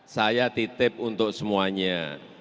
saya titip untuk semuanya